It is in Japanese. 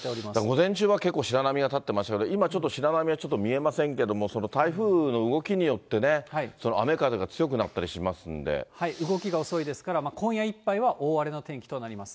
午前中は結構、白波が立ってましたけど、今ちょっと白波はちょっと見えませんけれども、その台風の動きによってね、動きが遅いですから、今夜いっぱいは大荒れの天気となります。